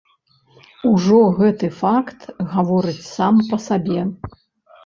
Ужо гэты факт гаворыць сам па сабе.